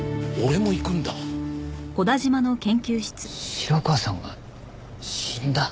城川さんが死んだ！？